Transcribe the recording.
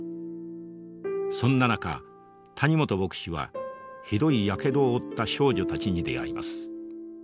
そんな中谷本牧師はひどいやけどを負った少女たちに出会います。